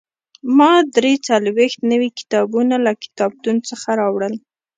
ما درې څلوېښت نوي کتابونه له کتابتون څخه راوړل.